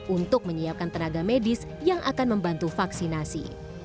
untuk menyiapkan tenaga medis yang akan membantu vaksinasi